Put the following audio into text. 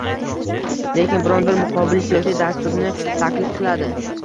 lekin biron-bir muqobil siyosiy dasturni taklif qiladi